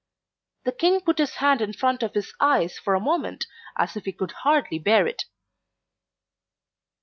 The King put his hand in front of his eyes for a moment as if he could hardly bear it.